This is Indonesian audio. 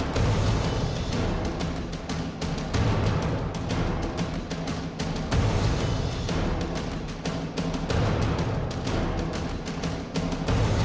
yang kedua sebagai perusahaan